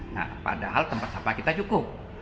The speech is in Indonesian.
nah padahal tempat sampah kita cukup